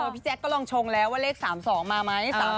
พี่แจ๊คก็ลองชงแล้วว่าเลข๓๒มาไหม